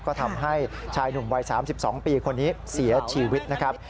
ก็ทำให้ชายหนุ่มวัย๓๒ปีคนนี้เสียชีวิตนะครับ